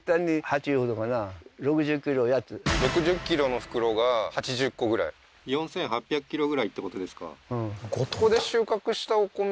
６０ｋｇの袋が８０個ぐらい４，８００ｋｇぐらいってことですか？